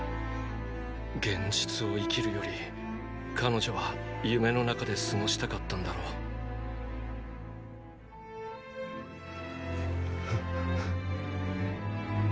現実を生きるより彼女は夢の中で過ごしたかったんだろう。っ！